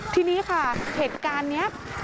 ทีนี้ค่ะเหตุการณ์นี้